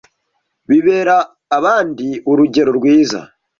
bibera abandi urugero rwiza;